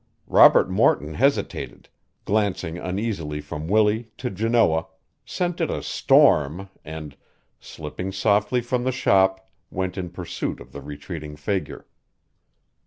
Robert Morton hesitated, glancing uneasily from Willie to Janoah, scented a storm and, slipping softly from the shop, went in pursuit of the retreating figure.